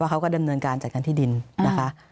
เขาก็ดำเนินการจัดการที่ดินนะคะ